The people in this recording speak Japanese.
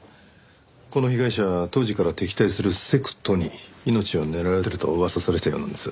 この被害者当時から敵対するセクトに命を狙われてると噂されてたようなんです。